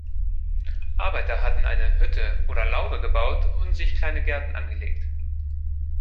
Arbeiter hatten eine Hütte oder Laube gebaut und sich kleine Gärten angelegt.